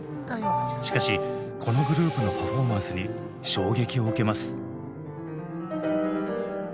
しかしこのグループのパフォーマンスに衝撃を受けます。